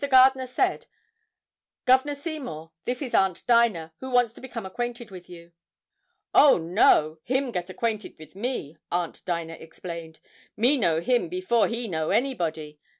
Gardner said, "Governor Seymour, this is Aunt Dinah, who wants to become acquainted with you." "Oh, no; him get acquainted with me," Aunt Dinah explained. "Me know him before he know anybody.